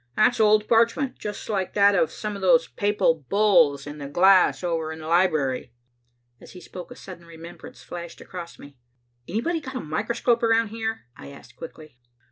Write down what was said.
That's old parchment, just like that of some of those papal bulls in the glass cases over in the library." As he spoke a sudden remembrance flashed across me. "Anybody got a microscope around here?" I asked quickly.